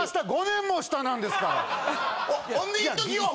５年も下なんですから。